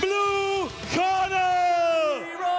บลูแลนด์คอร์นเตอร์